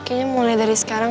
kayaknya mulai dari sekarang